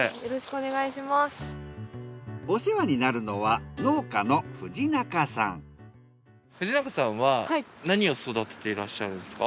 お世話になるのは農家の藤中さんは何を育てていらっしゃるんですか。